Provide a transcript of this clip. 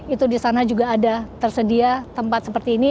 itu di sana juga ada tersedia tempat seperti ini